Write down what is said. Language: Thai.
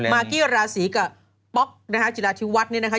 มากี้กับราศีกับป๊อกนะครับจิราธิวัฒน์นี้นะครับ